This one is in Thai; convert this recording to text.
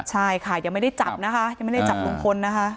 ใช่ค่ะยังไม่ได้จับนะคะยังไม่ได้จับลุงพลนะคะ